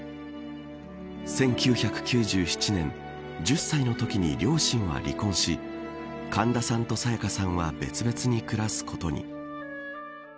１９９７年１０歳の時に両親は離婚し神田さんと沙也加さんは別々に暮らすことに。